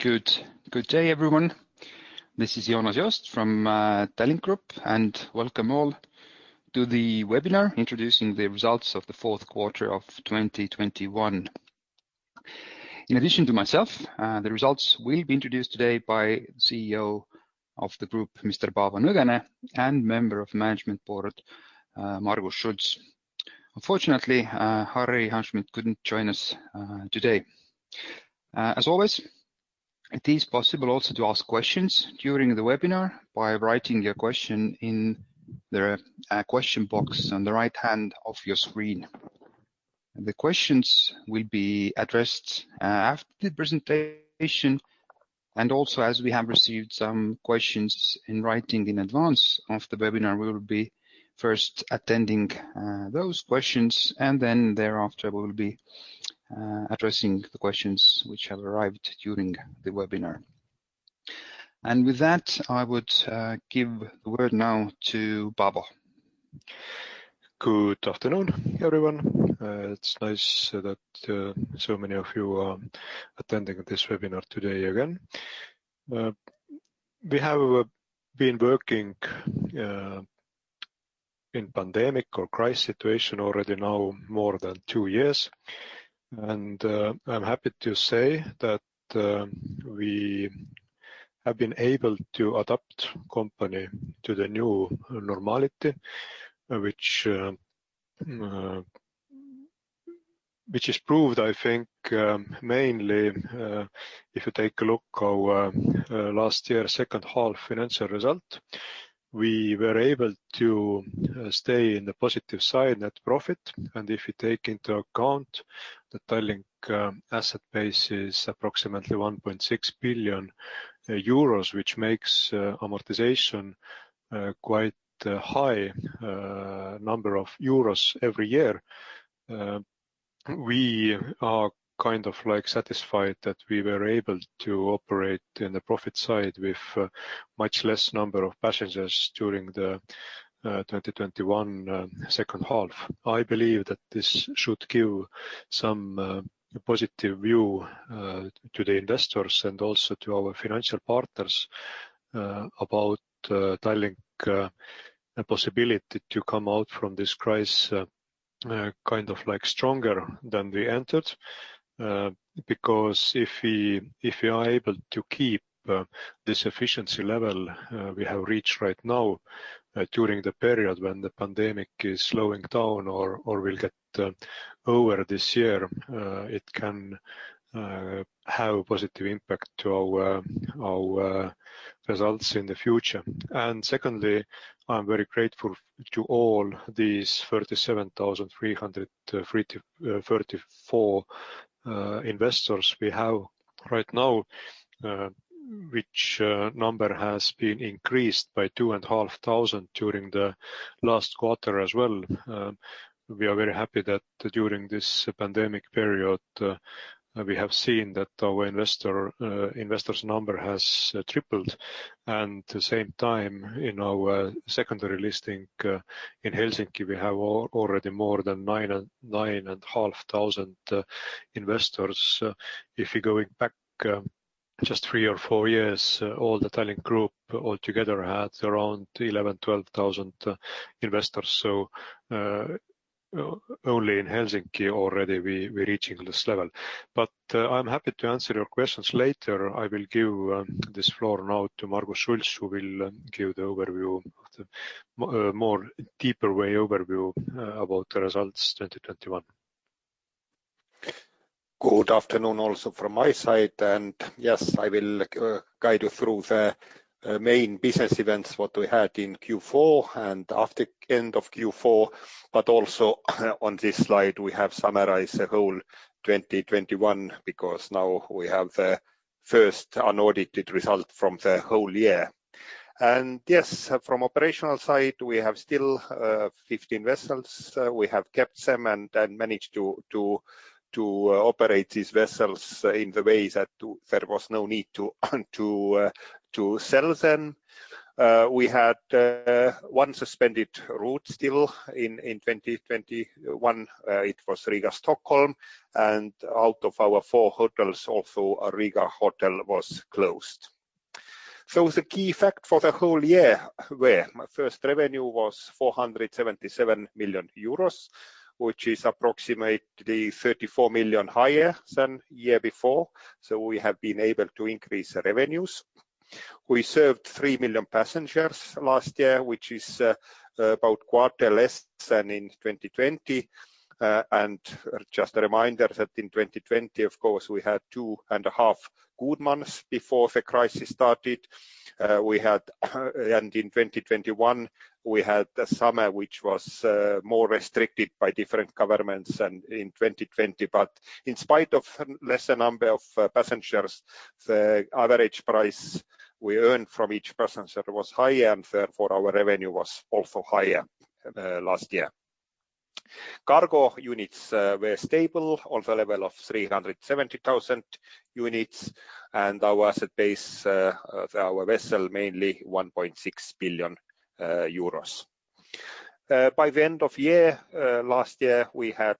Good day everyone. This is Joonas Joost from Tallink Grupp, and welcome all to the webinar introducing the results of the fourth quarter of 2021. In addition to myself, the results will be introduced today by the CEO of the group, Mr. Paavo Nõgene, and Member of the Management Board, Margus Schults. Unfortunately, Harri Hanschmidt could not join us today. As always, it is possible also to ask questions during the webinar by writing your question in the question box on the right hand of your screen. The questions will be addressed after the presentation. Also, as we have received some questions in writing in advance of the webinar, we will be first addressing those questions, and then thereafter, we will be addressing the questions which have arrived during the webinar. With that, I would give the word now to Paavo. Good afternoon, everyone. It's nice that so many of you are attending this webinar today again. We have been working in pandemic or crisis situation already now more than two years. I'm happy to say that we have been able to adapt company to the new normality, which which is proved, I think, mainly if you take a look our last year second half financial result. We were able to stay in the positive side net profit. If you take into account the Tallink asset base is approximately 1.6 billion euros, which makes amortization quite high number of euros every year. We are kind of, like, satisfied that we were able to operate in the profit side with much less number of passengers during the 2021 second half. I believe that this should give some positive view to the investors and also to our financial partners about Tallink possibility to come out from this crisis kind of like stronger than we entered. If we are able to keep this efficiency level we have reached right now during the period when the pandemic is slowing down or will get over this year, it can have a positive impact to our results in the future. Secondly, I'm very grateful to all these 37,334 investors we have right now, which number has been increased by 2,500 during the last quarter as well. We are very happy that during this pandemic period, we have seen that our investors number has tripled. The same time in our secondary listing in Helsinki, we have already more than 9,500 investors. If you're going back just three or four years, all the Tallink Grupp altogether had around 11,000-12,000 investors. Only in Helsinki already we're reaching this level. I'm happy to answer your questions later. I will give this floor now to Margus Schults, who will give a more in-depth overview about the results 2021. Good afternoon also from my side. Yes, I will guide you through the main business events, what we had in Q4 and after end of Q4. Also on this slide, we have summarized the whole 2021 because now we have the first unaudited result from the whole year. Yes, from operational side, we have still 15 vessels. We have kept them and managed to operate these vessels in the way that there was no need to sell them. We had 1 suspended route still in 2020. It was Riga-Stockholm. Out of our four hotels, also Riga Hotel was closed. The key fact for the whole year were. First, revenue was 477 million euros, which is approximately 34 million higher than year before. We have been able to increase revenues. We served three million passengers last year, which is about quarter less than in 2020. Just a reminder that in 2020, of course, we had 2.5 good months before the crisis started. In 2021, we had a summer which was more restricted by different governments than in 2020. In spite of lesser number of passengers, the average price we earned from each passenger was higher, and therefore our revenue was also higher last year. Cargo units were stable on the level of 370,000 units. Our asset base, our vessel mainly 1.6 billion euros. By the end of last year, we had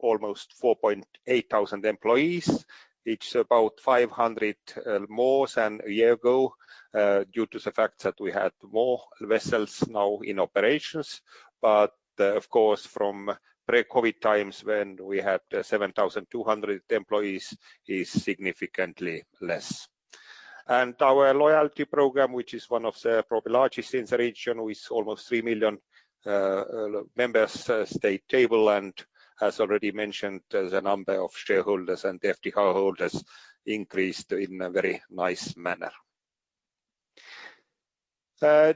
almost 4,800 employees, which about 500 more than a year ago due to the fact that we had more vessels now in operations. Of course, from pre-COVID times when we had 7,200 employees is significantly less. Our loyalty program, which is one of the probably largest in the region, with almost three million members, stayed stable, and as already mentioned, the number of shareholders and FT holders increased in a very nice manner.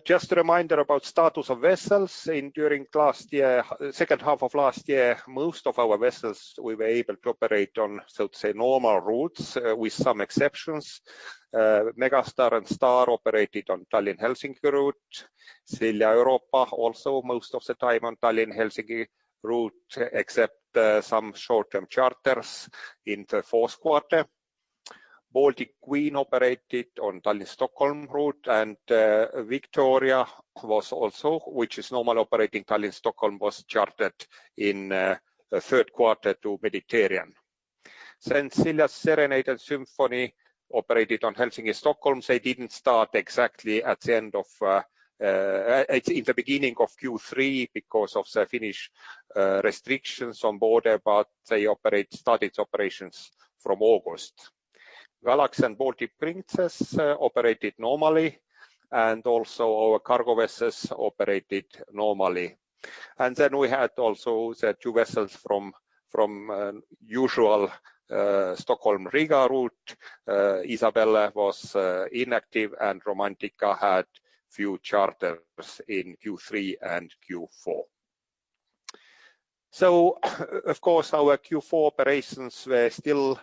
Just a reminder about status of vessels. During the second half of last year, most of our vessels we were able to operate on, so to say, normal routes, with some exceptions. Megastar and Star operated on Tallinn-Helsinki route. Silja Europa also most of the time on Tallinn-Helsinki route, except some short-term charters in the fourth quarter. Baltic Queen operated on Tallinn-Stockholm route, and Victoria I was also, which is normal operating Tallinn-Stockholm, was chartered in the third quarter to Mediterranean. Silja Serenade and Silja Symphony operated on Helsinki-Stockholm. They didn't start exactly at the end of. In the beginning of Q3 because of the Finnish restrictions on board, but they started operations from August. Galaxy and Baltic Princess operated normally, and also our cargo vessels operated normally. We had also the two vessels from usual Stockholm-Riga route. Isabelle was inactive, and Romantika had few charters in Q3 and Q4. Of course, our Q4 operations were still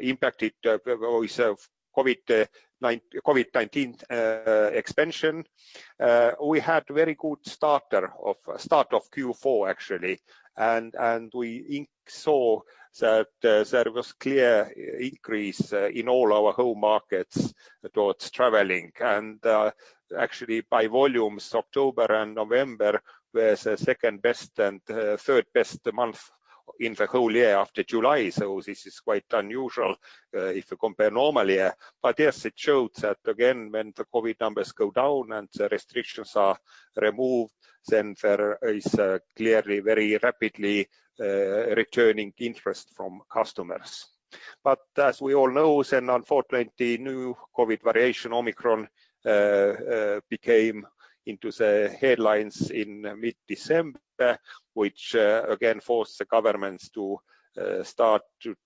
impacted by waves of COVID-19 expansion. We had very good start of Q4, actually, and we saw that there was clear increase in all our home markets towards traveling. Actually, by volumes, October and November were the second best and third best month in the whole year after July. This is quite unusual, if you compare normal year. Yes, it shows that again, when the COVID numbers go down and the restrictions are removed, then there is clearly very rapidly returning interest from customers. As we all know, then unfortunately, new COVID variant, Omicron, came into the headlines in mid-December, which again forced the governments to start to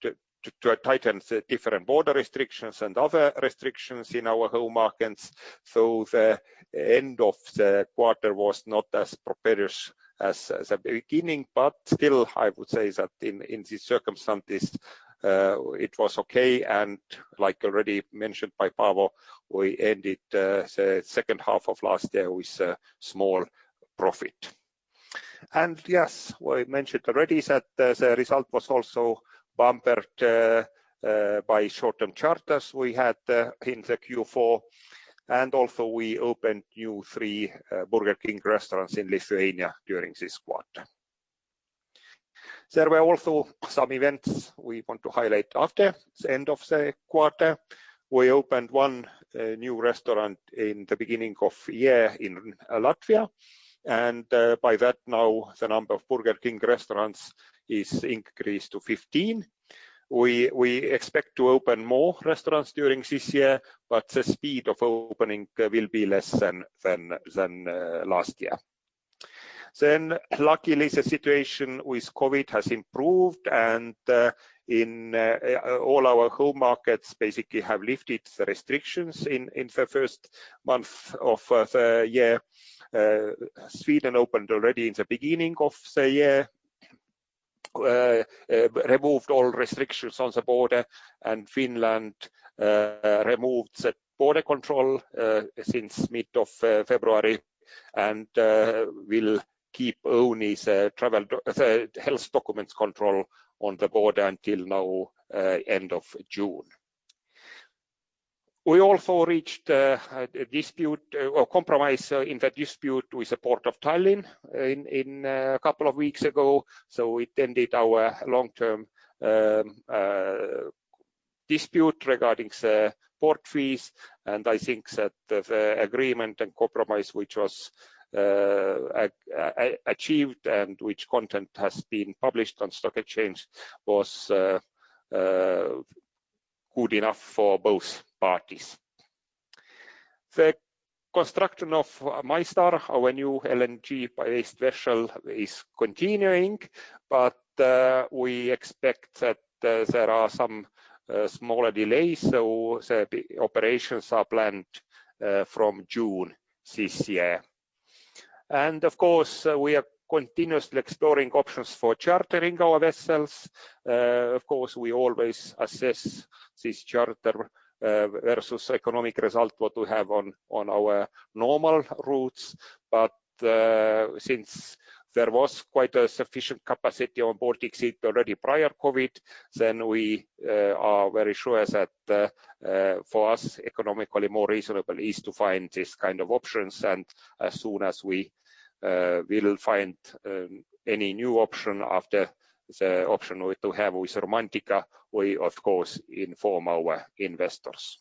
tighten the different border restrictions and other restrictions in our home markets. The end of the quarter was not as prosperous as the beginning, but still, I would say that in these circumstances, it was okay. Like already mentioned by Paavo, we ended the second half of last year with a small profit. Yes, we mentioned already that the result was also bumped by short-term charters we had in the Q4, and also we opened three new Burger King restaurants in Lithuania during this quarter. There were also some events we want to highlight after the end of the quarter. We opened 1 new restaurant in the beginning of year in Latvia, and by that now the number of Burger King restaurants is increased to 15. We expect to open more restaurants during this year, but the speed of opening will be less than last year. Luckily, the situation with COVID has improved and in all our home markets basically have lifted the restrictions in the first month of the year. Sweden opened already in the beginning of the year, removed all restrictions on the border, and Finland removed the border control since mid of February and will keep only the health documents control on the border until end of June. We also reached a compromise in the dispute with the Port of Tallinn a couple of weeks ago, so it ended our long-term dispute regarding the port fees. I think that the agreement and compromise which was achieved and which content has been published on stock exchange was good enough for both parties. The construction of MyStar, our new LNG-based vessel, is continuing, but we expect that there are some smaller delays, so the operations are planned from June this year. Of course, we are continuously exploring options for chartering our vessels. Of course, we always assess this charter versus economic result what we have on our normal routes. Since there was quite a sufficient capacity on Baltic Sea already prior COVID-19, then we are very sure that for us, economically more reasonable is to find this kind of options. As soon as we will find any new option after the option we have with Romantika, we of course inform our investors.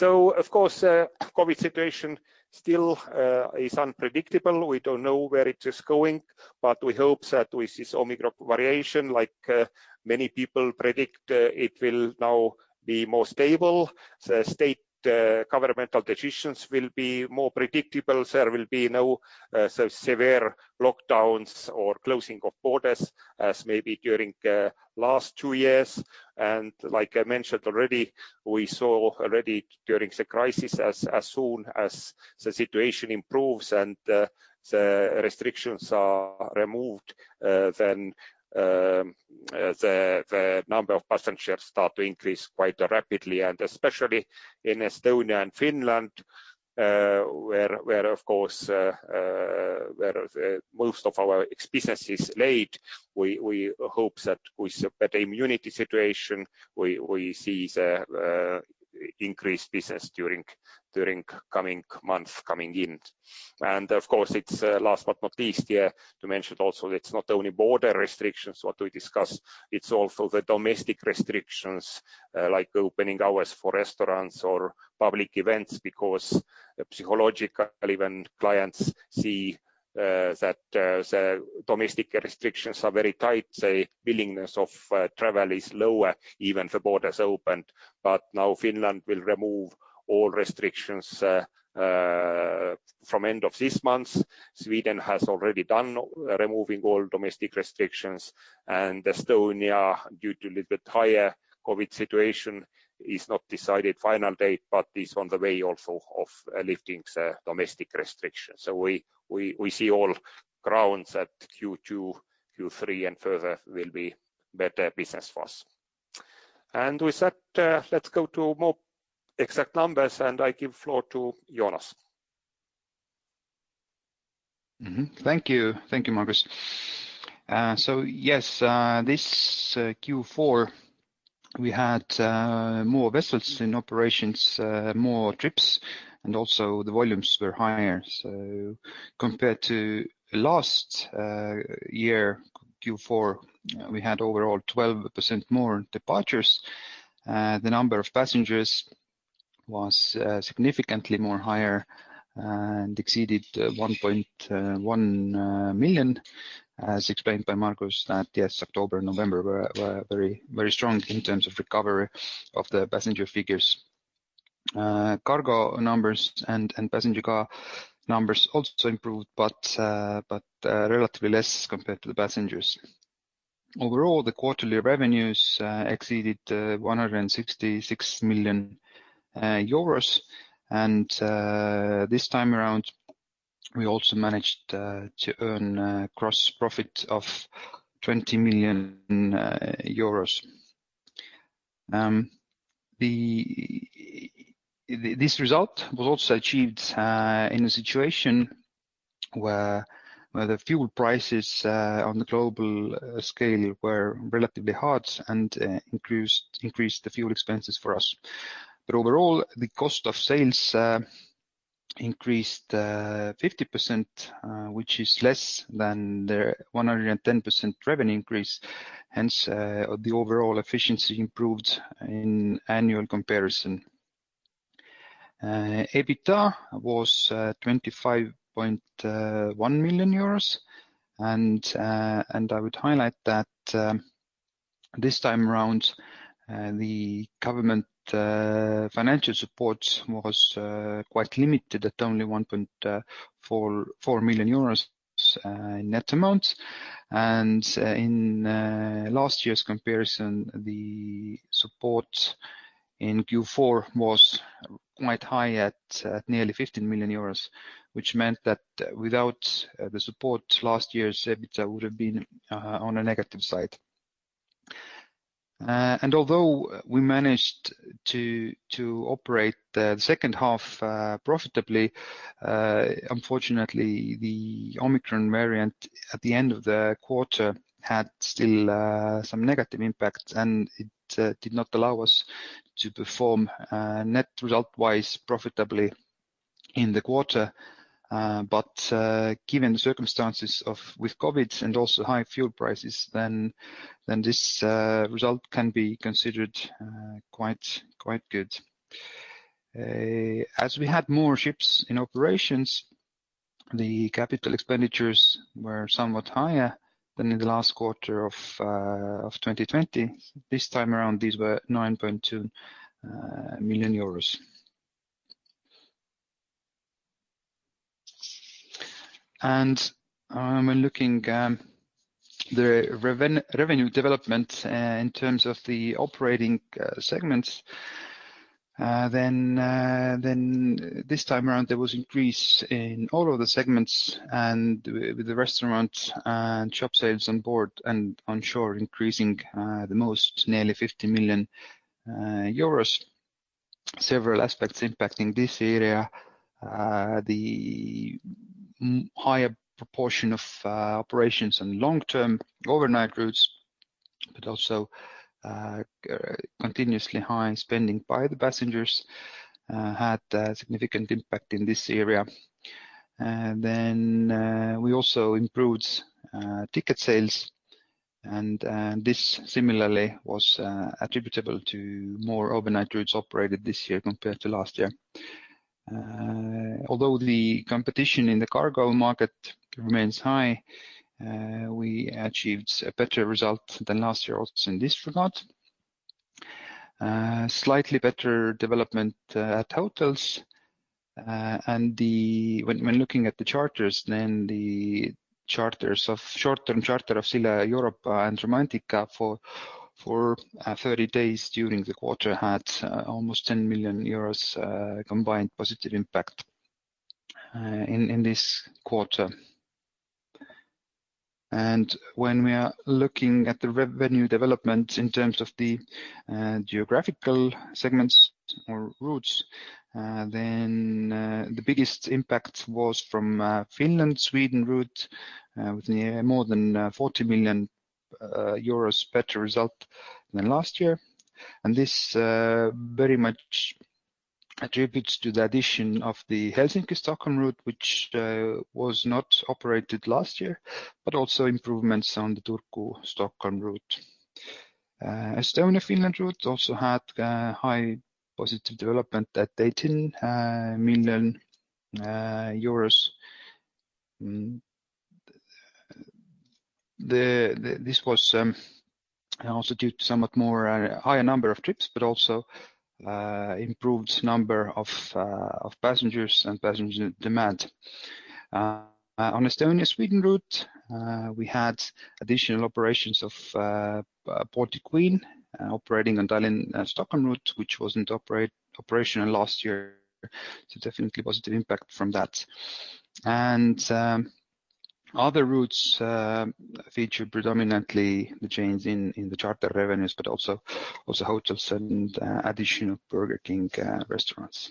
Of course, COVID situation still is unpredictable. We don't know where it is going, but we hope that with this Omicron variant, like, many people predict, it will now be more stable. The state governmental decisions will be more predictable. There will be no so severe lockdowns or closing of borders as maybe during last two years. Like I mentioned already, we saw already during the crisis as soon as the situation improves and the restrictions are removed, then the number of passengers start to increase quite rapidly. Especially in Estonia and Finland, where of course where most of our existing business is located, we hope that with a better immunity situation, we see the increased business during coming months coming in. Of course, it's last but not least to mention also it's not only border restrictions what we discuss, it's also the domestic restrictions like opening hours for restaurants or public events. Because psychologically when clients see that the domestic restrictions are very tight, the willingness of travel is lower even if the border is opened. Now Finland will remove all restrictions from end of this month. Sweden has already done removing all domestic restrictions. Estonia, due to a little bit higher COVID-19 situation, has not decided the final date, but is also on the way to lifting the domestic restrictions. We see all grounds that Q2, Q3 and further will be better business for us. With that, let's go to more exact numbers, and I give the floor to Joonas. Thank you. Thank you, Margus. Yes, this Q4, we had more vessels in operations, more trips, and also the volumes were higher. Compared to last year Q4, we had overall 12% more departures. The number of passengers was significantly more higher and exceeded 1.1 million. As explained by Margus, that yes, October and November were very strong in terms of recovery of the passenger figures. Cargo numbers and passenger car numbers also improved, but relatively less compared to the passengers. Overall, the quarterly revenues exceeded EUR 166 million. This time around, we also managed to earn gross profit of EUR 20 million. The This result was also achieved in a situation where the fuel prices on the global scale were relatively high and increased the fuel expenses for us. Overall, the cost of sales increased 50%, which is less than the 110% revenue increase. Hence, the overall efficiency improved in annual comparison. EBITDA was 25.1 million euros. I would highlight that this time around, the government financial support was quite limited at only 1.4 million euros in net amount. In last year's comparison, the support in Q4 was quite high at nearly 50 million euros, which meant that without the support, last year's EBITDA would have been on a negative side. Although we managed to operate the second half profitably, unfortunately the Omicron variant at the end of the quarter had still some negative impact, and it did not allow us to perform net result-wise profitably in the quarter. Given the circumstances with COVID and also high fuel prices then, this result can be considered quite good. As we had more ships in operations, the capital expenditures were somewhat higher than in the last quarter of 2020. This time around, these were 9.2 million euros. When looking at the revenue development in terms of the operating segments, then this time around there was increase in all of the segments and with the restaurant and shop sales on board and on shore increasing the most, nearly 50 million euros. Several aspects impacting this area, the higher proportion of operations and long-term overnight routes, but also continuously high spending by the passengers had a significant impact in this area. We also improved ticket sales. This similarly was attributable to more overnight routes operated this year compared to last year. Although the competition in the cargo market remains high, we achieved a better result than last year also in this regard. Slightly better development at hotels. When looking at the charters, the short-term charter of Silja Europa and Romantika for 30 days during the quarter had almost 10 million euros combined positive impact in this quarter. When we are looking at the revenue development in terms of the geographical segments or routes, the biggest impact was from the Finland-Sweden route with more than 40 million euros better result than last year. This very much attributes to the addition of the Helsinki-Stockholm route, which was not operated last year, but also improvements on the Turku-Stockholm route. The Estonia-Finland route also had high positive development at EUR 18 million. This was also due to somewhat more higher number of trips, but also improved number of passengers and passenger demand. On Estonia-Sweden route, we had additional operations of Baltic Queen operating on Tallinn-Stockholm route, which wasn't operational last year. Definitely positive impact from that. Other routes feature predominantly the change in the charter revenues, but also hotels and addition of Burger King restaurants.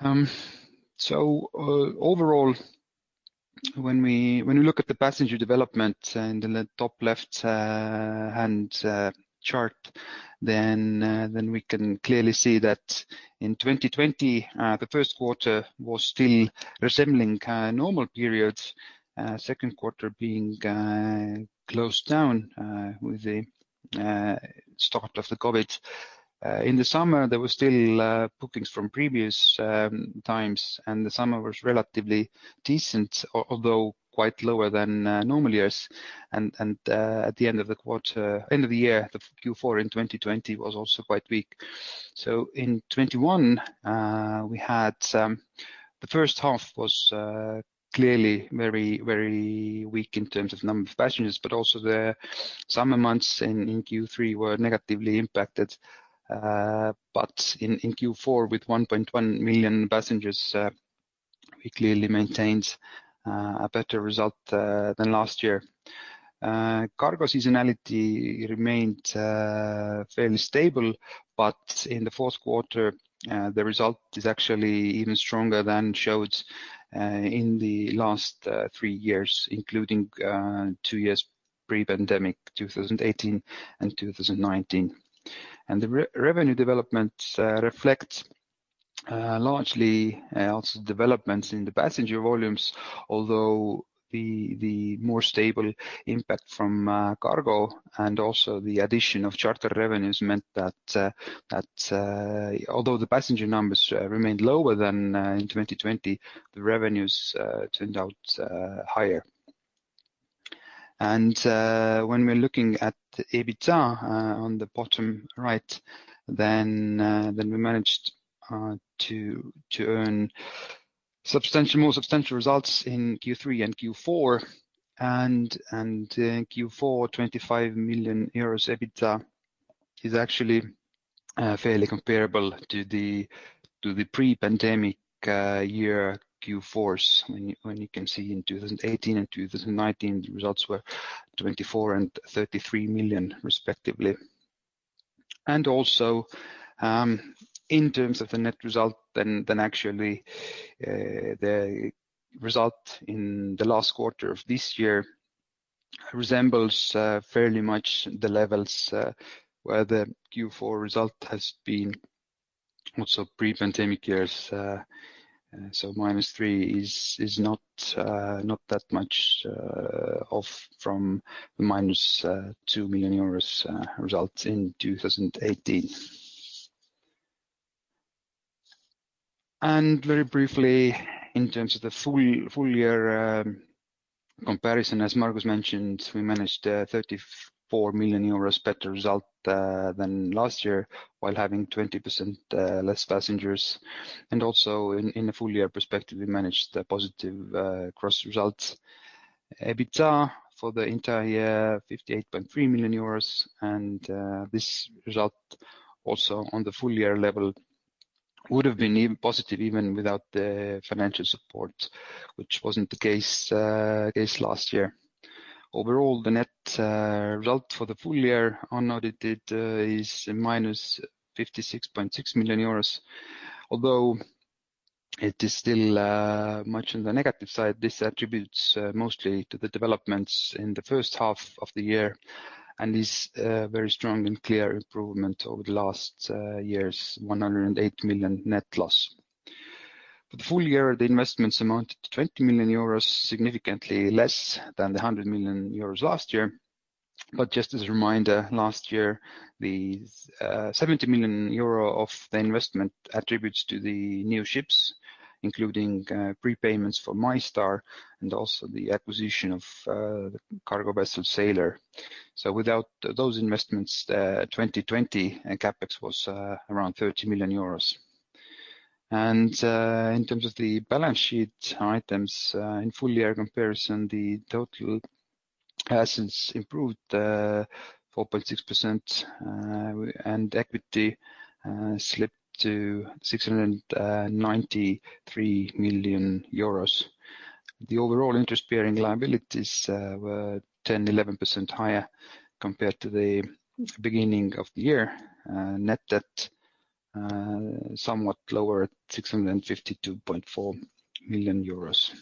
Overall, when we look at the passenger development and in the top left hand chart, then we can clearly see that in 2020, the first quarter was still resembling normal periods, second quarter being closed down with the start of the COVID. In the summer, there was still bookings from previous times, and the summer was relatively decent, although quite lower than normal years. At the end of the year, the Q4 in 2020 was also quite weak. In 2021, the first half was clearly very weak in terms of number of passengers, but also the summer months in Q3 were negatively impacted. In Q4 with 1.1 million passengers, we clearly maintained a better result than last year. Cargo seasonality remained fairly stable, but in the fourth quarter, the result is actually even stronger than shown in the last three years, including two years pre-pandemic, 2018 and 2019. The revenue development reflects largely also developments in the passenger volumes. Although the more stable impact from cargo and also the addition of charter revenues meant that although the passenger numbers remained lower than in 2020, the revenues turned out higher. When we're looking at the EBITDA on the bottom right, then we managed to earn more substantial results in Q3 and Q4. In Q4, 25 million euros EBITDA is actually fairly comparable to the pre-pandemic year Q4s when you can see in 2018 and 2019, the results were 24 million and 33 million respectively. In terms of the net result than actually the result in the last quarter of this year resembles fairly much the levels where the Q4 result has been also pre-pandemic years. So minus three is not that much off from the -2 million EUR result in 2018. Very briefly, in terms of the full year comparison, as Margus mentioned, we managed a 34 million euros better result than last year while having 20% less passengers. Also in a full year perspective, we managed a positive gross result. EBITDA for the entire year, 58.3 million euros. This result also on the full year level would have been even positive even without the financial support, which wasn't the case last year. Overall, the net result for the full year unaudited is -56.6 million euros. Although it is still much on the negative side, this attributes mostly to the developments in the first half of the year and is a very strong and clear improvement over the last year's 108 million net loss. For the full year, the investments amounted to 20 million euros, significantly less than the 100 million euros last year. Just as a reminder, last year, the 70 million euro of the investment attributes to the new ships, including prepayments for MyStar and also the acquisition of the cargo vessel, Sailor. Without those investments, 2020 CAPEX was around 30 million euros. In terms of the balance sheet items, in full year comparison, the total assets improved 4.6%, and equity slipped to 693 million euros. The overall interest-bearing liabilities were 10%-11% higher compared to the beginning of the year. Net debt somewhat lower at 652.4 million euros.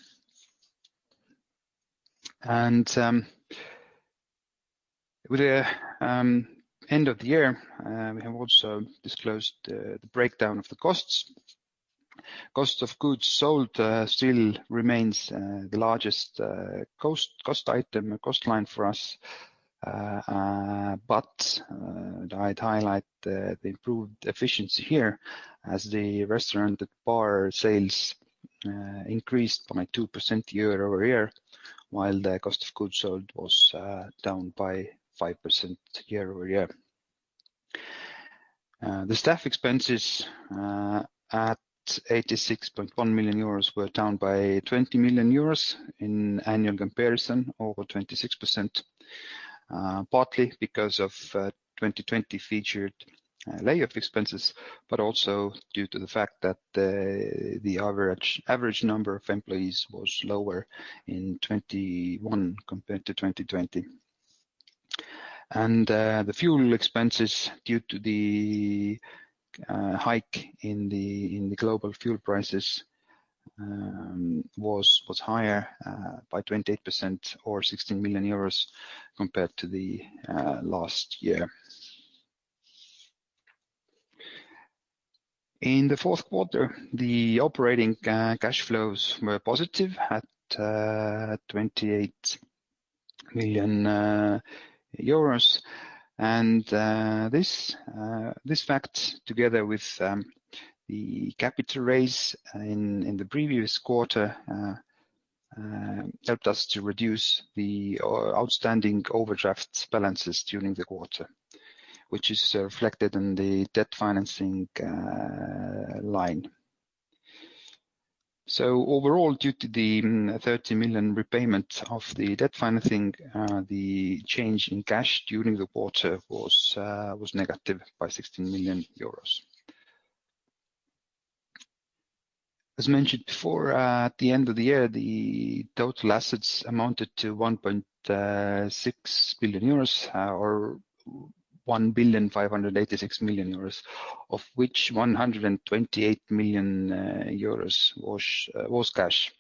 With the end of the year, we have also disclosed the breakdown of the costs. Cost of goods sold still remains the largest cost item, cost line for us. I'd highlight the improved efficiency here as the restaurant and bar sales increased by 2% year-over-year, while the cost of goods sold was down by 5% year-over-year. The staff expenses at 86.1 million euros were down by 20 million euros in annual comparison, over 26%, partly because of 2020 featured layoff expenses, but also due to the fact that the average number of employees was lower in 2021 compared to 2020. The fuel expenses due to the hike in the global fuel prices was higher by 28% or 16 million euros compared to the last year. In the fourth quarter, the operating cash flows were positive at EUR 28 million. This fact, together with the capital raise in the previous quarter, helped us to reduce the outstanding overdraft balances during the quarter, which is reflected in the debt financing line. Overall, due to the 30 million repayment of the debt financing, the change in cash during the quarter was negative by EUR 16 million. As mentioned before, at the end of the year, the total assets amounted to 1.6 billion euros or 1,586 million euros, of which 128 million euros was cash.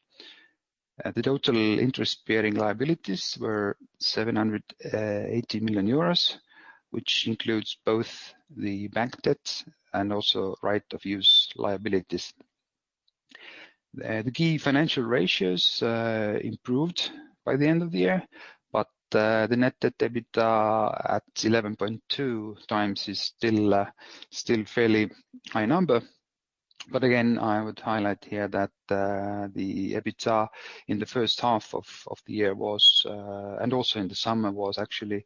The total interest-bearing liabilities were 780 million euros, which includes both the bank debt and also right of use liabilities. The key financial ratios improved by the end of the year, but the net debt EBITDA at 11.2 times is still fairly high number. Again, I would highlight here that the EBITDA in the first half of the year was and also in the summer was actually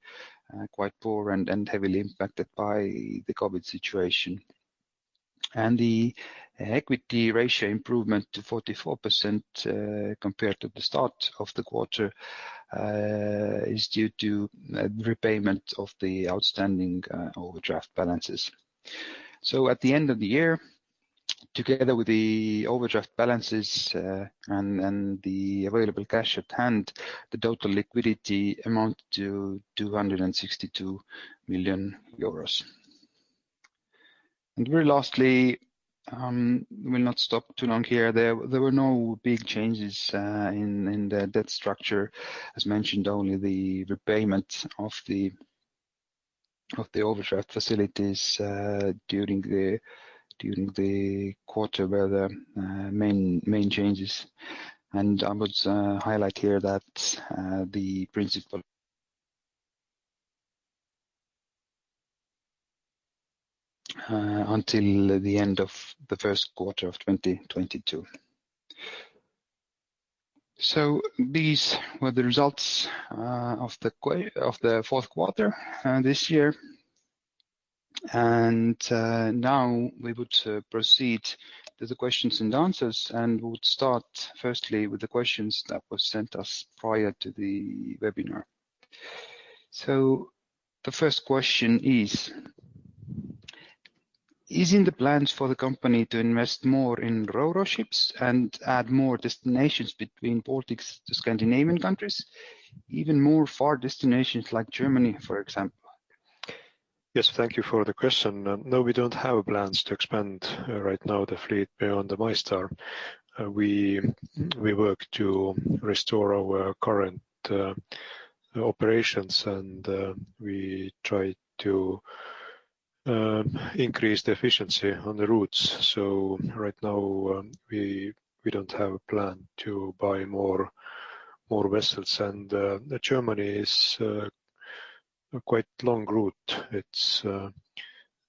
quite poor and heavily impacted by the COVID situation. The equity ratio improvement to 44% compared to the start of the quarter is due to repayment of the outstanding overdraft balances. At the end of the year, together with the overdraft balances and the available cash at hand, the total liquidity amounted to 262 million euros. Very lastly, we'll not stop too long here. There were no big changes in the debt structure. As mentioned, only the repayment of the overdraft facilities during the quarter were the main changes. I would highlight here that the principal until the end of the first quarter of 2022. These were the results of the fourth quarter this year. Now we would proceed to the questions and answers, and we would start firstly with the questions that was sent us prior to the webinar. The first question is in the plans for the company to invest more in ro-ro ships and add more destinations between Baltics to Scandinavian countries, even more far destinations like Germany, for example? Yes. Thank you for the question. No, we don't have plans to expand right now the fleet beyond the MyStar. We work to restore our current operations, and we try to increase the efficiency on the routes. Right now, we don't have a plan to buy more vessels. Germany is a quite long route.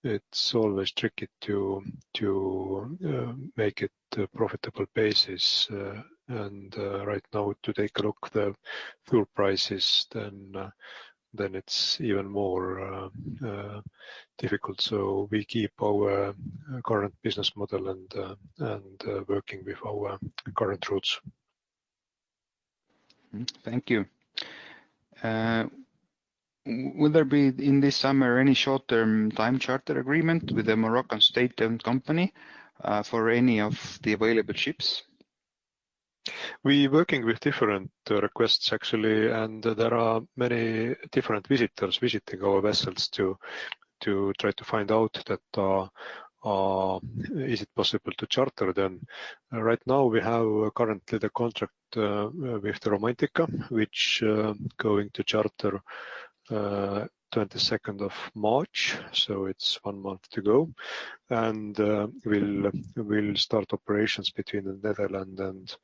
It's always tricky to make it a profitable basis. Right now, to take a look at the fuel prices, then it's even more difficult. We keep our current business model and working with our current routes. Thank you. Will there be in this summer any short-term time charter agreement with the Moroccan state-owned company for any of the available ships? We're working with different requests actually, and there are many different visitors visiting our vessels to try to find out if it is possible to charter them. Right now, we currently have the contract with Romantika, which is going to be chartered on the twenty-second of March, so it's one month to go. We'll start operations between the Netherlands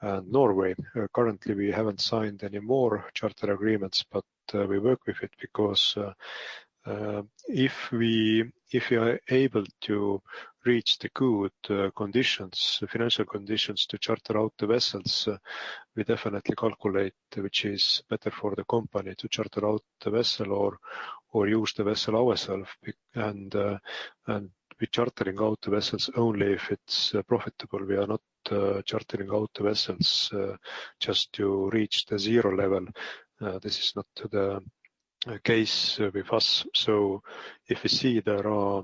and Norway. Currently, we haven't signed any more charter agreements, but we work with it because if we are able to reach good financial conditions to charter out the vessels, we definitely calculate which is better for the company to charter out the vessel or use the vessel ourselves. We're chartering out the vessels only if it's profitable. We are not chartering out the vessels just to reach the zero level. This is not the case with us. If we see there are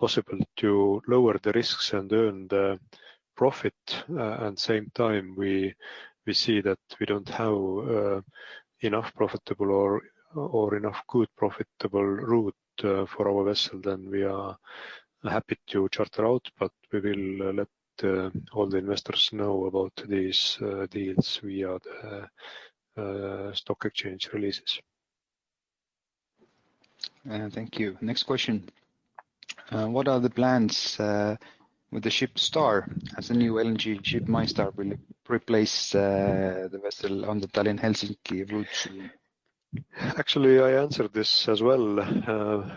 possible to lower the risks and earn the profit at same time, we see that we don't have enough profitable or enough good profitable route for our vessel, then we are happy to charter out. We will let all the investors know about these deals via the stock exchange releases. Thank you. Next question. What are the plans with the ship Star? Has the new LNG ship MyStar will replace the vessel on the Tallinn-Helsinki route? Actually, I answered this as well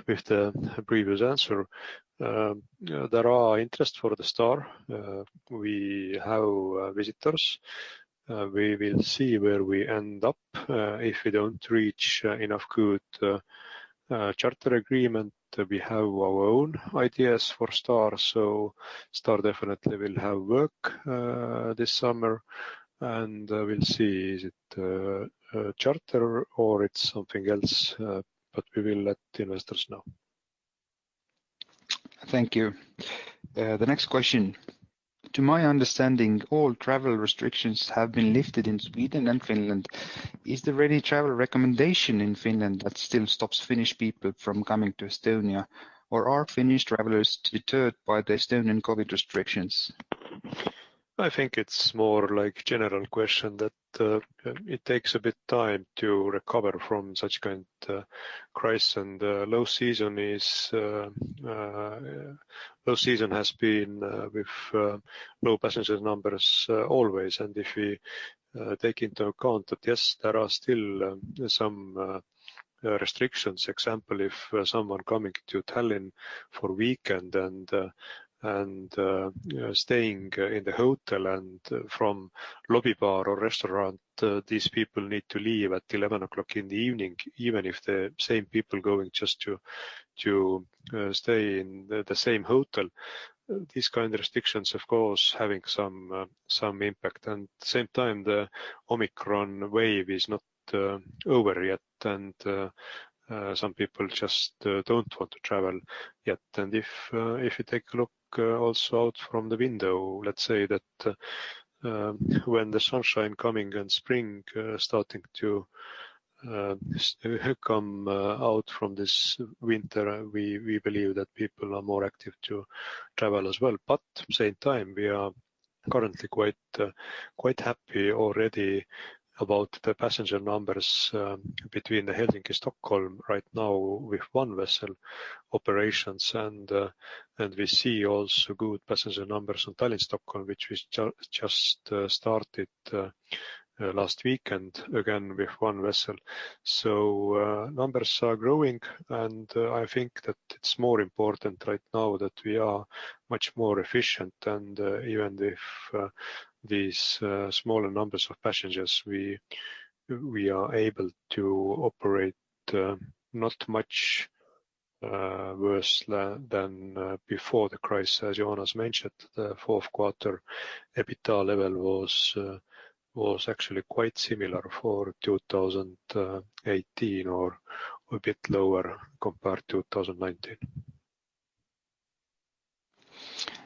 with the previous answer. There are interest for the Star. We have visitors. We will see where we end up. If we don't reach enough good charter agreement, we have our own ideas for Star. Star definitely will have work this summer. We'll see is it charter or it's something else, but we will let the investors know. Thank you. The next question. To my understanding, all travel restrictions have been lifted in Sweden and Finland. Is there any travel recommendation in Finland that still stops Finnish people from coming to Estonia? Or are Finnish travelers deterred by the Estonian COVID restrictions? I think it's more like general question that it takes a bit time to recover from such kind crisis. Low season has been with low passenger numbers always. If we take into account that, yes, there are still some restrictions. Example, if someone coming to Tallinn for weekend and staying in the hotel and from lobby bar or restaurant, these people need to leave at eleven o'clock in the evening, even if the same people going just to stay in the same hotel. These kind of restrictions of course having some impact. Same time, the Omicron wave is not over yet, and some people just don't want to travel yet. If you take a look also out from the window, let's say that, when the sunshine coming and spring starting to come out from this winter, we believe that people are more active to travel as well. Same time, we are currently quite happy already about the passenger numbers between the Helsinki-Stockholm right now with one vessel operations. We see also good passenger numbers on Tallinn-Stockholm, which we just started last weekend, again with one vessel. Numbers are growing, and I think that it's more important right now that we are much more efficient. Even if these smaller numbers of passengers, we are able to operate not much worse than before the crisis. As Joonas mentioned, the fourth quarter EBITDA level was actually quite similar for 2018 or a bit lower compared to 2019.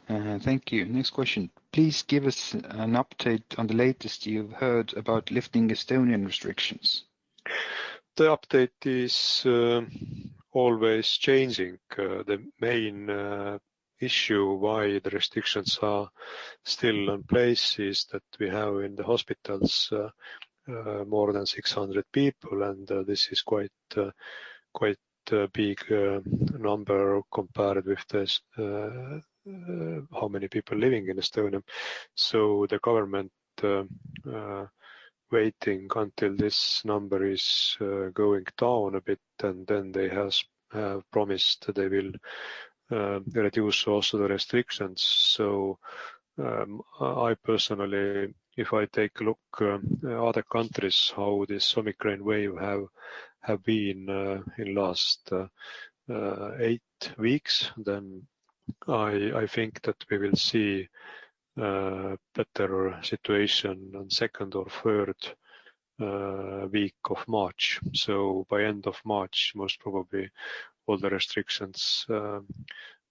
Thank you. Next question. Please give us an update on the latest you've heard about lifting Estonian restrictions. The update is always changing. The main issue why the restrictions are still in place is that we have in the hospitals more than 600 people, and this is quite big number compared with this how many people living in Estonia. The government waiting until this number is going down a bit, and then they has promised they will reduce also the restrictions. I personally, if I take a look other countries how this Omicron wave have been in last 8 weeks, then I think that we will see better situation on second or third week of March. By end of March, most probably all the restrictions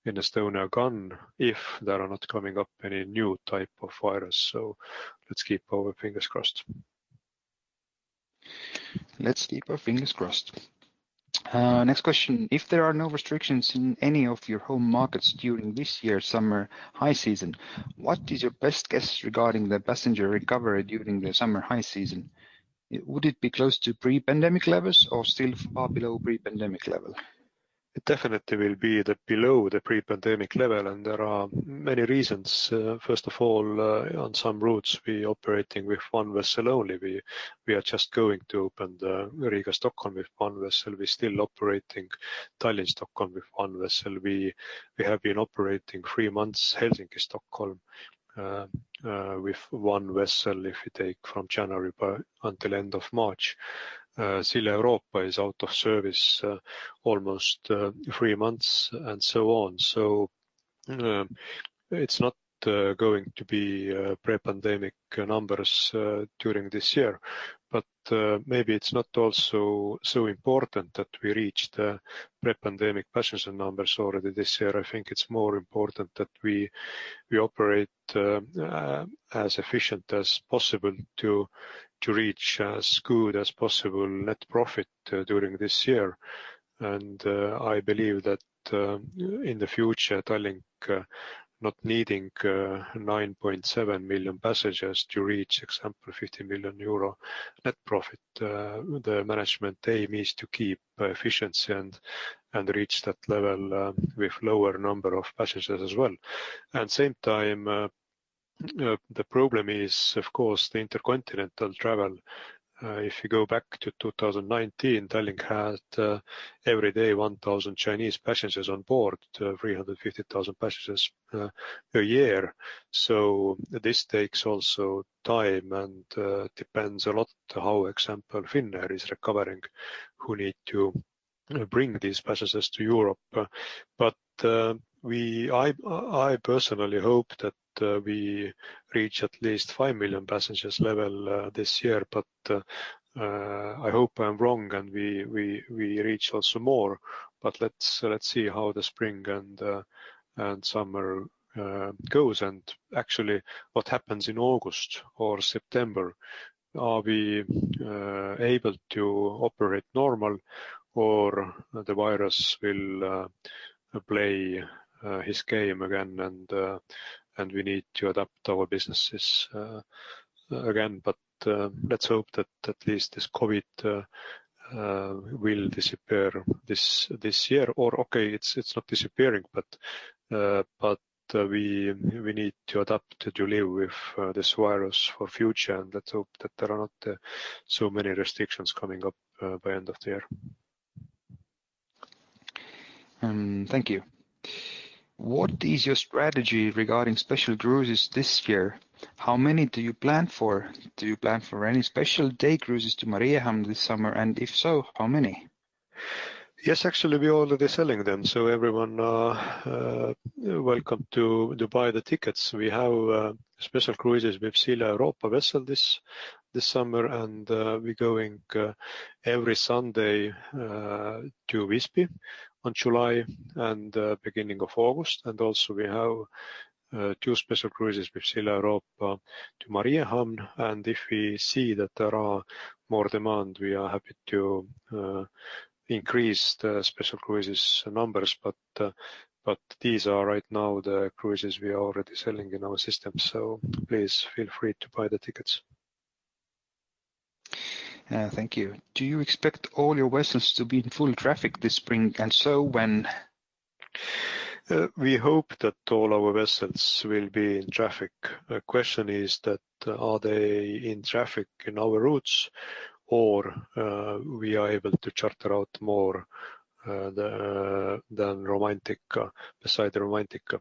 in Estonia are gone if there are not coming up any new type of virus. Let's keep our fingers crossed. Let's keep our fingers crossed. Next question. If there are no restrictions in any of your home markets during this year's summer high season, what is your best guess regarding the passenger recovery during the summer high season? Would it be close to pre-pandemic levels or still far below pre-pandemic level? It definitely will be below the pre-pandemic level, and there are many reasons. First of all, on some routes we are operating with one vessel only. We are just going to open the Riga-Stockholm with one vessel. We're still operating Tallinn-Stockholm with one vessel. We have been operating three months Helsinki-Stockholm with one vessel if you take from January until end of March. Silja Europa is out of service almost three months, and so on. It's not going to be pre-pandemic numbers during this year. Maybe it's not also so important that we reach the pre-pandemic passenger numbers already this year. I think it's more important that we operate as efficient as possible to reach as good as possible net profit during this year. I believe that in the future, Tallink not needing 9.7 million passengers to reach, example, 50 million euro net profit. The management aim is to keep efficiency and reach that level with lower number of passengers as well. At same time, the problem is, of course, the intercontinental travel. If you go back to 2019, Tallink had every day 1,000 Chinese passengers on board, 350,000 passengers a year. This takes also time and depends a lot how, example, Finnair is recovering, who need to bring these passengers to Europe. I personally hope that we reach at least 5 million passengers level this year. I hope I'm wrong and we reach also more. Let's see how the spring and summer goes, and actually what happens in August or September. Are we able to operate normal or the virus will play his game again and we need to adapt our businesses again? Let's hope that at least this COVID will disappear this year. Okay, it's not disappearing, but we need to adapt to live with this virus for future. Let's hope that there are not so many restrictions coming up by end of the year. Thank you. What is your strategy regarding special cruises this year? How many do you plan for? Do you plan for any special day cruises to Mariehamn this summer? If so, how many? Yes, actually, we're already selling them, so everyone are welcome to buy the tickets. We have special cruises with Silja Europa vessel this summer, and we're going every Sunday to Visby in July and beginning of August. We also have two special cruises with Silja Europa to Mariehamn. If we see that there are more demand, we are happy to increase the special cruises numbers. But these are right now the cruises we are already selling in our system. Please feel free to buy the tickets. Thank you. Do you expect all your vessels to be in full traffic this spring? If so, when? We hope that all our vessels will be in traffic. The question is that are they in traffic in our routes or we are able to charter out more than Romantika, beside Romantika.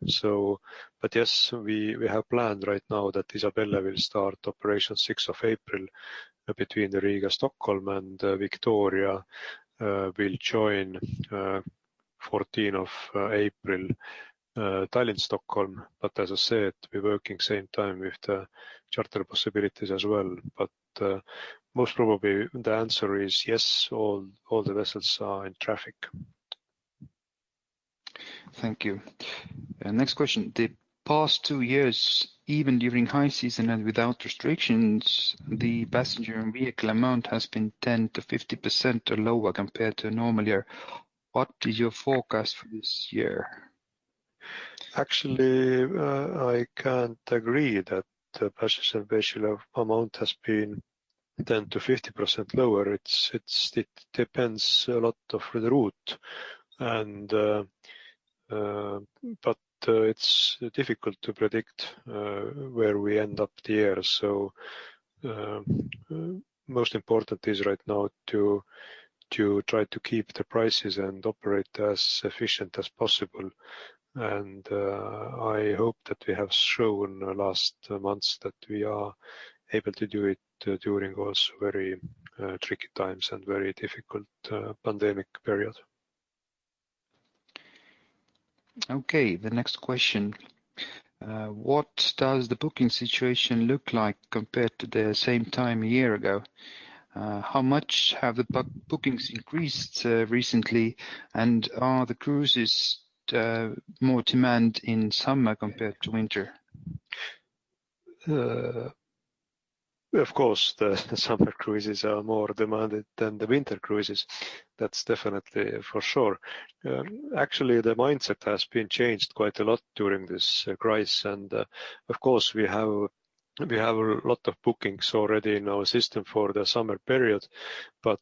Yes, we have planned right now that Isabelle will start operation April 6 between the Riga-Stockholm, and Victoria I will join April 14 Tallinn-Stockholm. As I said, we're working same time with the charter possibilities as well. Most probably the answer is yes, all the vessels are in traffic. Thank you. Next question. The past two years, even during high season and without restrictions, the passenger and vehicle amount has been 10%-50% lower compared to a normal year. What is your forecast for this year? Actually, I can't agree that the passenger and vehicle amount has been 10%-50% lower. It depends a lot on the route. It's difficult to predict where we end up the year. Most important is right now to try to keep the prices and operate as efficient as possible. I hope that we have shown the last months that we are able to do it during also very tricky times and very difficult pandemic period. Okay, the next question. What does the booking situation look like compared to the same time a year ago? How much have the bookings increased recently? Are the cruises more in demand in summer compared to winter? Of course, the summer cruises are more demanded than the winter cruises. That's definitely for sure. Actually, the mindset has been changed quite a lot during this crisis. Of course, we have a lot of bookings already in our system for the summer period.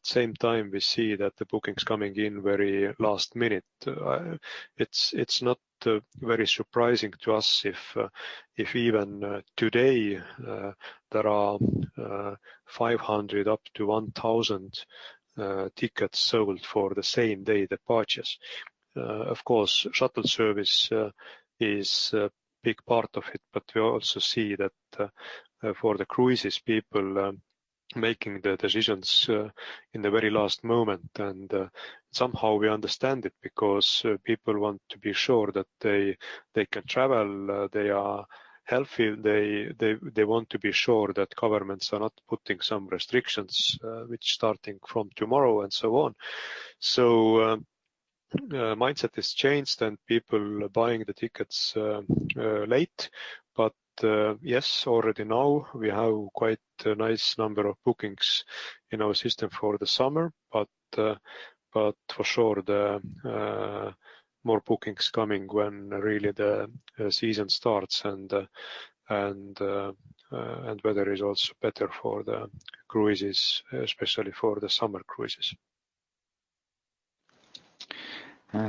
Same time, we see that the bookings coming in very last minute. It's not very surprising to us if even today there are 500-1,000 tickets sold for the same day departures. Of course, shuttle service is a big part of it. We also see that for the cruises, people making the decisions in the very last moment. Somehow we understand it because people want to be sure that they can travel, they are healthy, they want to be sure that governments are not putting some restrictions, which starting from tomorrow and so on. Mindset is changed and people are buying the tickets late. Yes, already now we have quite a nice number of bookings in our system for the summer. For sure the more bookings coming when really the season starts and weather is also better for the cruises, especially for the summer cruises.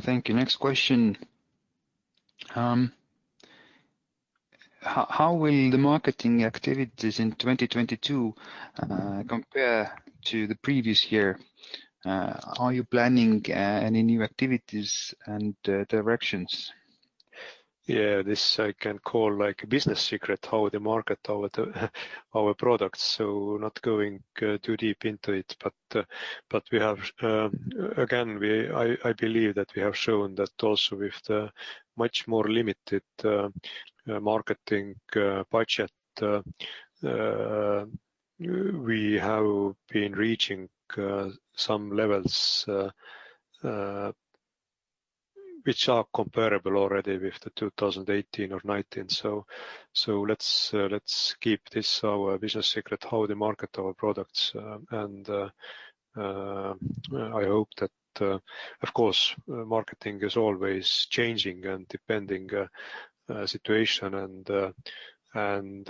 Thank you. Next question. How will the marketing activities in 2022 compare to the previous year? Are you planning any new activities and directions? This I can call, like, business secret, how they market our products, so not going too deep into it. We have. Again, I believe that we have shown that also with the much more limited marketing budget, we have been reaching some levels which are comparable already with 2018 or 2019. Let's keep this our business secret, how they market our products. I hope that. Of course, marketing is always changing and depending on the situation and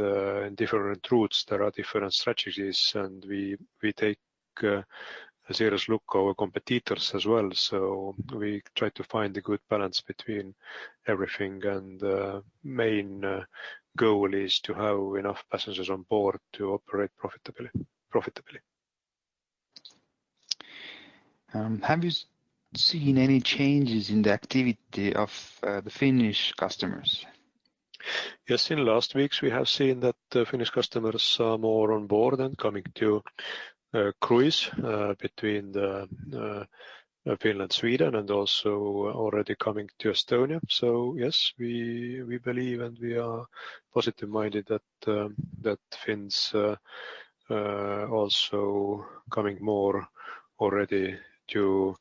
in different routes, there are different strategies. We take a serious look at our competitors as well, so we try to find a good balance between everything. Main goal is to have enough passengers on board to operate profitably. Have you seen any changes in the activity of the Finnish customers? Yes. In last weeks, we have seen that Finnish customers are more on board and coming to cruise between the Finland, Sweden, and also already coming to Estonia. Yes, we believe and we are positive-minded that Finns also coming more already to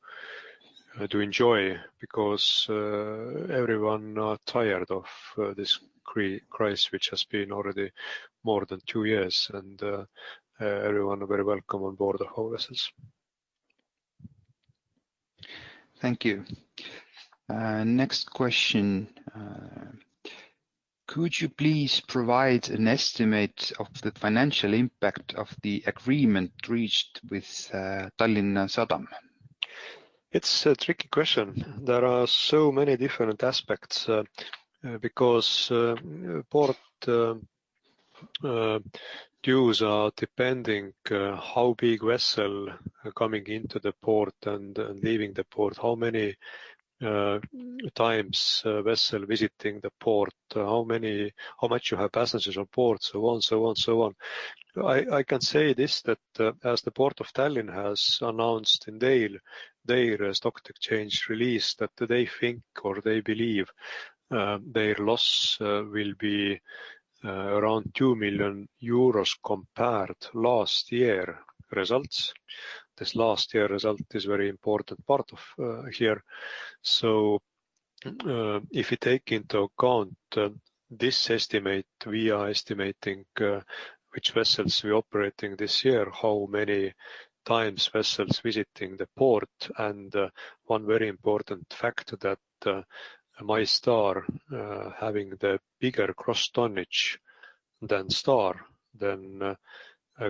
enjoy because everyone are tired of this crisis which has been already more than two years. Everyone are very welcome on board our vessels. Thank you. Next question. Could you please provide an estimate of the financial impact of the agreement reached with Tallinna Sadam? It's a tricky question. There are so many different aspects, because port dues depend on how big vessel coming into the port and leaving the port. How many times vessel visiting the port. How much you have passengers on port. So on, so on, so on. I can say this that, as the Port of Tallinn has announced in their stock exchange release, that they think or they believe their loss will be around 2 million euros compared last year results. This last year result is very important part of here. If you take into account this estimate, we are estimating which vessels we're operating this year, how many times vessels visiting the port. One very important fact that MyStar having the bigger gross tonnage than Star,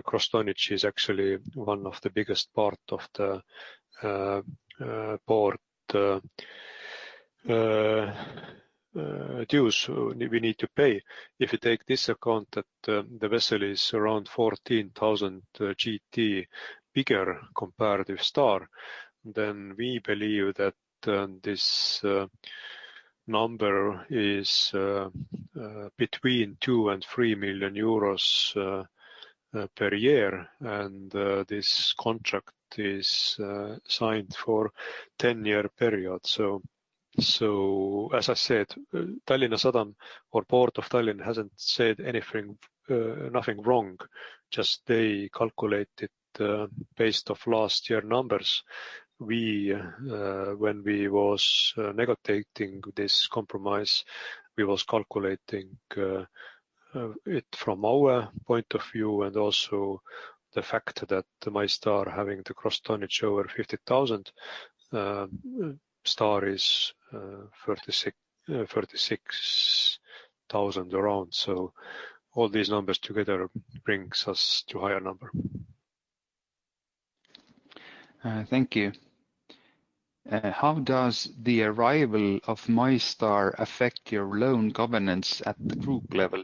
gross tonnage is actually one of the biggest part of the port dues we need to pay. If you take into account that the vessel is around 14,000 GT bigger compared with Star, then we believe that this number is between 2 million and 3 million euros per year. This contract is signed for 10-year period. As I said, Tallinna Sadam or Port of Tallinn hasn't said anything wrong, just they calculated based off last year numbers. When we was negotiating this compromise, we was calculating it from our point of view and also the fact that MyStar having the gross tonnage over 50,000, Star is 46,000 around. All these numbers together brings us to higher number. Thank you. How does the arrival of MyStar affect your loan governance at the group level?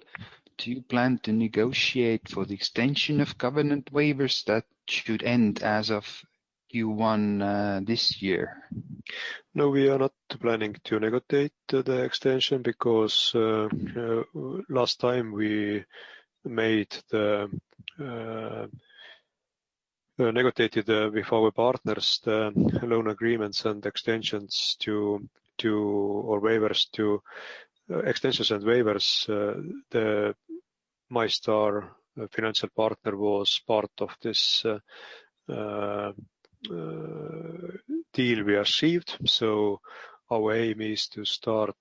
Do you plan to negotiate for the extension of covenant waivers that should end as of Q1, this year? No, we are not planning to negotiate the extension because last time we negotiated with our partners the loan agreements and extensions or waivers, the MyStar financial partner was part of this deal we achieved. Our aim is to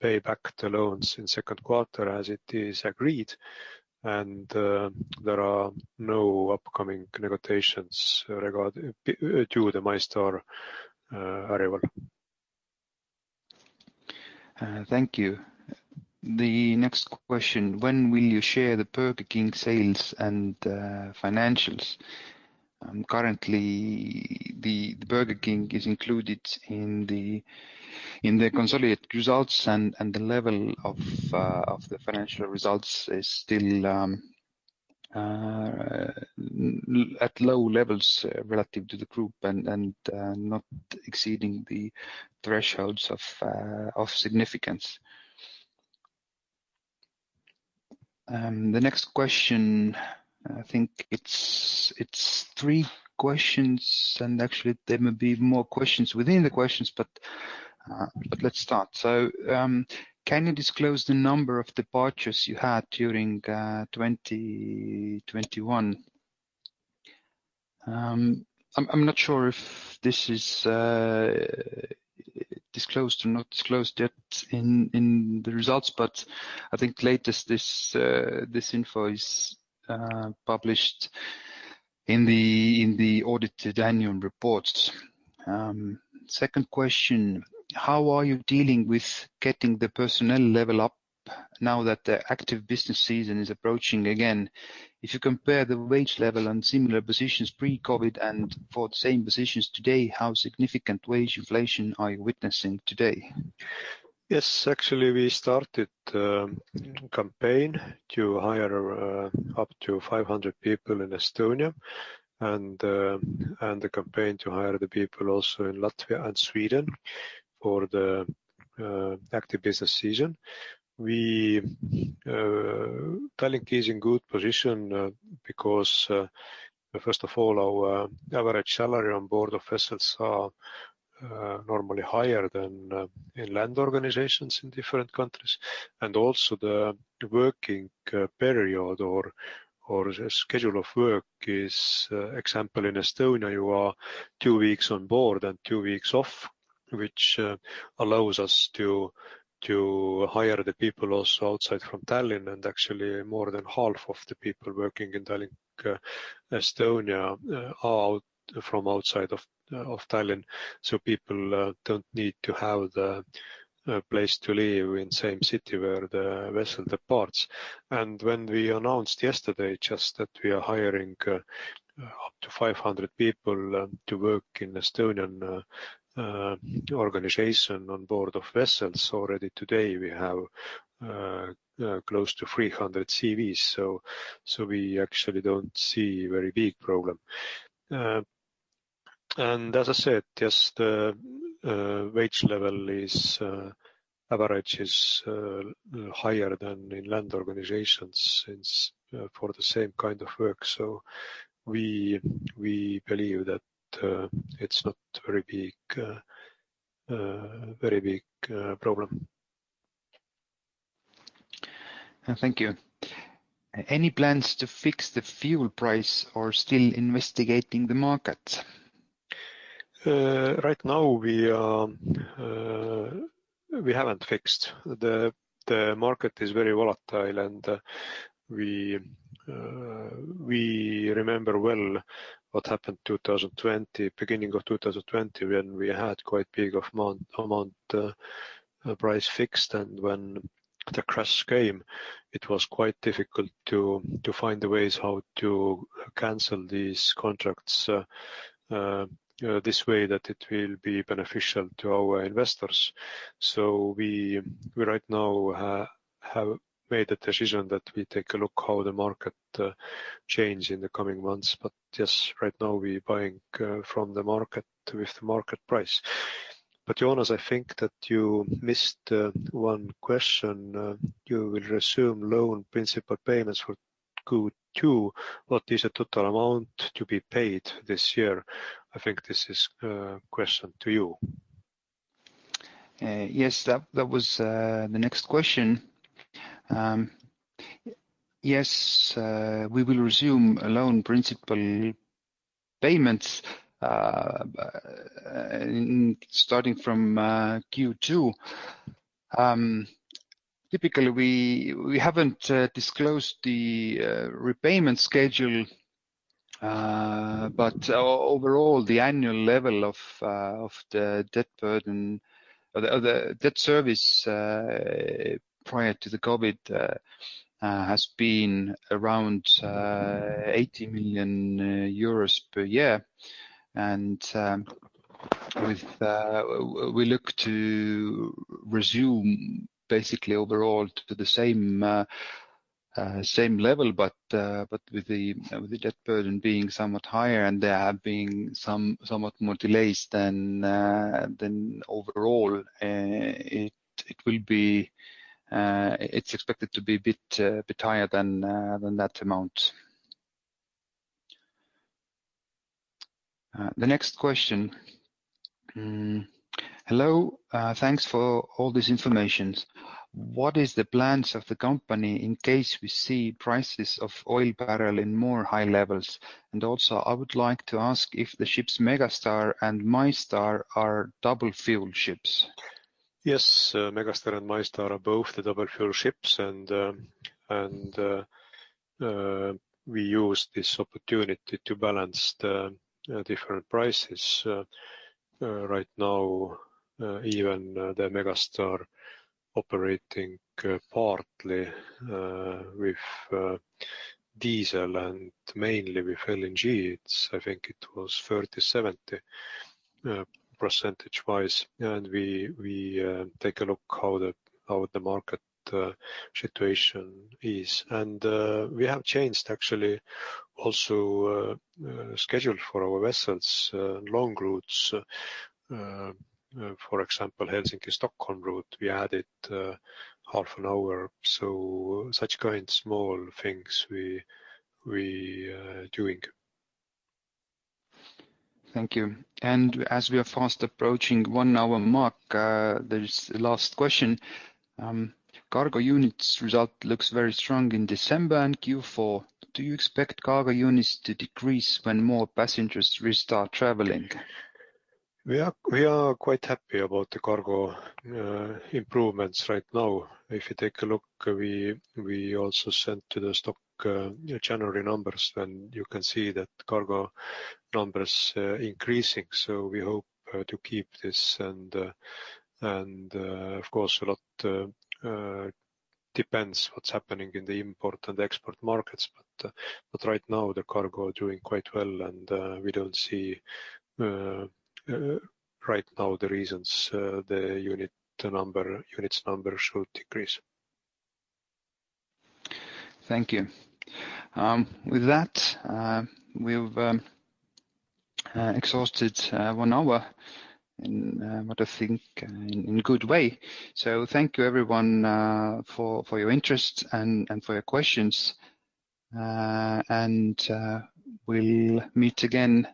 pay back the loans in second quarter as it is agreed, and there are no upcoming negotiations regarding the MyStar arrival. Thank you. The next question, when will you share the Burger King sales and financials? Currently the Burger King is included in the consolidated results and the level of the financial results is still at low levels, relative to the group and not exceeding the thresholds of significance. The next question, I think it's three questions, and actually there may be more questions within the questions, but let's start. Can you disclose the number of departures you had during 2021? I'm not sure if this is disclosed or not disclosed yet in the results, but I think at latest this info is published in the audited annual report. Second question, how are you dealing with getting the personnel level up now that the active business season is approaching again? If you compare the wage level and similar positions pre-COVID and for the same positions today, how significant wage inflation are you witnessing today? Yes. Actually, we started a campaign to hire up to 500 people in Estonia and the campaign to hire the people also in Latvia and Sweden for the active business season. We Tallink is in good position because first of all, our average salary on board of vessels are normally higher than inland organizations in different countries. Also the working period or schedule of work is for example in Estonia, you are two weeks on board and two weeks off, which allows us to hire the people also outside from Tallinn. Actually, more than half of the people working in Tallink Estonia are from outside of Tallinn. People don't need to have the place to live in same city where the vessel departs. When we announced yesterday just that we are hiring up to 500 people to work in Estonian organization on board of vessels, already today we have close to 300 CVs. We actually don't see very big problem. As I said, just the wage level is on average higher than on land organizations as for the same kind of work. We believe that it's not very big problem. Thank you. Any plans to fix the fuel price or still investigating the market? Right now we are, we haven't fixed. The market is very volatile, and we remember well what happened 2020, beginning of 2020 when we had quite big amount price fixed. When the crash came, it was quite difficult to find the ways how to cancel these contracts this way that it will be beneficial to our investors. We right now have made a decision that we take a look how the market change in the coming months. Just right now we're buying from the market with market price. Joonas, I think that you missed one question. You will resume loan principal payments for Q2. What is the total amount to be paid this year? I think this is question to you. Yes, that was the next question. Yes, we will resume a loan principal payments starting from Q2. Typically, we haven't disclosed the repayment schedule. But overall, the annual level of the debt burden or the debt service prior to the COVID has been around EUR 80 million per year. With, we look to resume basically overall to the same level. But with the debt burden being somewhat higher and there have been somewhat more delays than overall, it will be. It's expected to be a bit higher than that amount. The next question. Hello. Thanks for all this information. What is the plans of the company in case we see prices of oil barrel in more high levels? I would like to ask if the ships Megastar and MyStar are dual fuel ships. Yes. Megastar and MyStar are both the dual fuel ships. We use this opportunity to balance the different prices. Right now, even the Megastar operating partly with diesel and mainly with LNG. I think it was 30/70 percentage wise. We take a look how the market situation is. We have changed actually also schedule for our vessels long routes. For example, Helsinki-Stockholm route, we added half an hour. Such kind small things we doing. Thank you. As we are fast approaching one-hour mark, there's the last question. Cargo units result looks very strong in December and Q4. Do you expect cargo units to decrease when more passengers restart traveling? We are quite happy about the cargo improvements right now. If you take a look, we also sent to the stock January numbers, and you can see that cargo numbers increasing. We hope to keep this. Of course, a lot depends what's happening in the import and export markets. Right now the cargo doing quite well, and we don't see right now the reasons the units number should decrease. Thank you. With that, we've exhausted one hour in what I think in good way. Thank you everyone, for your interest and for your questions. We'll meet again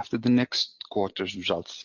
after the next quarter's results.